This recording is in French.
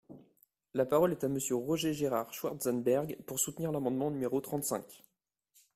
La parole est à Monsieur Roger-Gérard Schwartzenberg, pour soutenir l’amendement numéro trente-cinq.